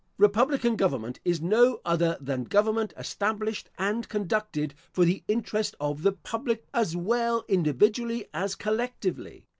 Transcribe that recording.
Republican government is no other than government established and conducted for the interest of the public, as well individually as collectively.